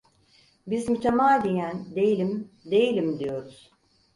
Biz mütemadiyen: "Değilim, değilim!" diyoruz.